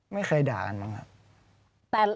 ไม่เคยด่ากันมั้งครับ